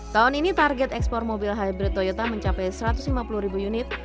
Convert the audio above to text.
tahun ini target ekspor mobil hybrid toyota mencapai satu ratus lima puluh ribu unit